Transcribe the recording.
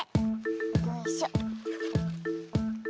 よいしょ。